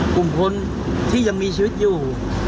กลุ่มคนที่ยังมีชีวิตอยู่